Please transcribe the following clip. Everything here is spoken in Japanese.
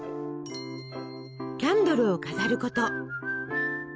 キャンドルを飾ること。